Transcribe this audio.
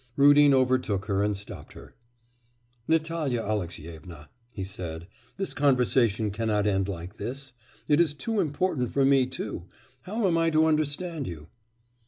Rudin overtook her and stopped her. 'Natalya Alexyevna,' he said, 'this conversation cannot end like this; it is too important for me too.... How am I to understand you?